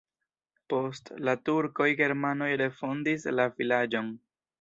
Post la turkoj germanoj refondis la vilaĝon.